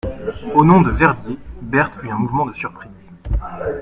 Au nom de Verdier, Berthe eut un mouvement de surprise.